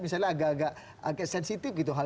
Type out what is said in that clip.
misalnya agak agak sensitif gitu